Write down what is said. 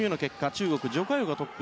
中国のジョ・カヨがトップ。